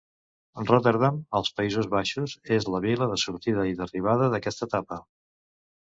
Rotterdam, als Països Baixos, és la vila de sortida i d'arribada d'aquesta etapa.